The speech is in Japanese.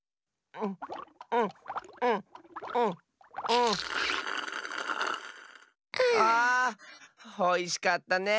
おいしかったね！